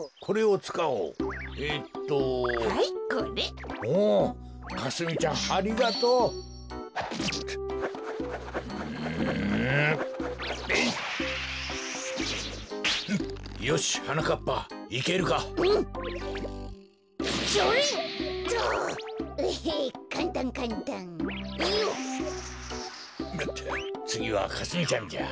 つぎはかすみちゃんじゃ。